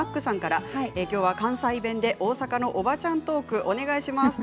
きょうは関西弁で大阪のおばちゃんトークお願いします。